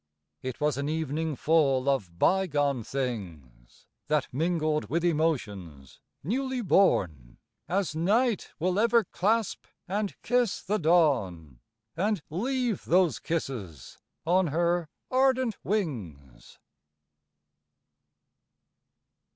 It was an evening full of bygone things, That mingled with emotions newly born As night will ever clasp and kiss the dawn, And leave those kisses on her ardent wings.